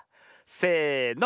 せの！